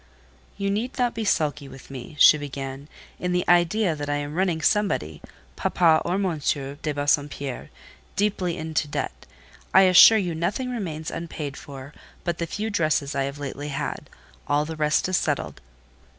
"You need not be sulky with me," she began, "in the idea that I am running somebody, papa or M. de Bassompierre, deeply into debt. I assure you nothing remains unpaid for, but the few dresses I have lately had: all the rest is settled."